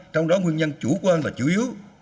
trong đó nguyên nhân chủ quan và chủ yếu